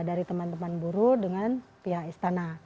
dari teman teman buruh dengan pihak istana